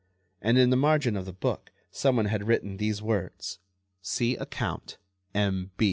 And in the margin of the book someone had written these words: "See account M.